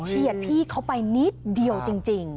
เฉียดพี่เข้าไปนิดเดียวจริง